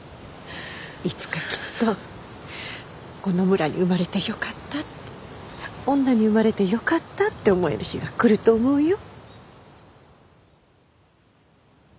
いつかきっとこの村に生まれてよかったって女に生まれてよかったって思える日が来ると思うよ。